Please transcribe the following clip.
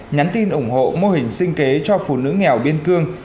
nhắn tin ủng hộ mô hình sinh kế cho phụ nữ nghèo biên cương